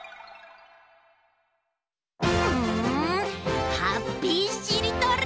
んハッピーしりとり！